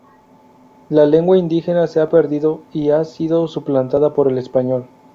La lengua indígena se ha perdido y ha sido suplantada por el español.